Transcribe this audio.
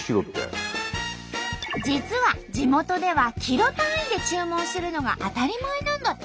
実は地元ではキロ単位で注文するのが当たり前なんだって！